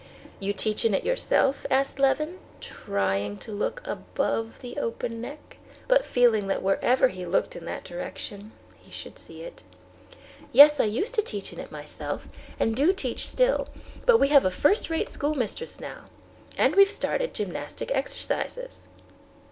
"You teach in it yourself?" asked Levin, trying to look above the open neck, but feeling that wherever he looked in that direction he should see it. "Yes; I used to teach in it myself, and do teach still, but we have a first rate schoolmistress now. And we've started gymnastic exercises."